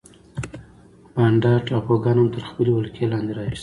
بانډا ټاپوګان هم تر خپلې ولکې لاندې راوسته.